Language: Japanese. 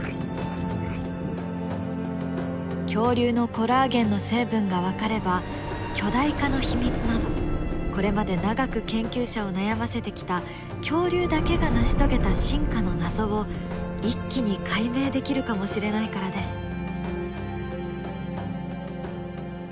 恐竜のコラーゲンの成分が分かれば巨大化の秘密などこれまで長く研究者を悩ませてきた恐竜だけが成し遂げた進化の謎を一気に解明できるかもしれないからです。